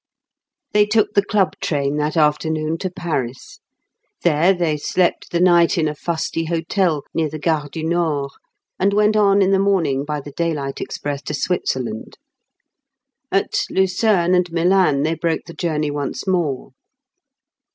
They took the club train that afternoon to Paris. There they slept the night in a fusty hotel near the Gare du Nord, and went on in the morning by the daylight express to Switzerland. At Lucerne and Milan they broke the journey once more.